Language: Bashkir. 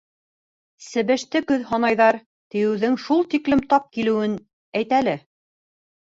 Себеште көҙ һанайҙар, тиеүҙең шул тиклем тап килеүен әйт әле!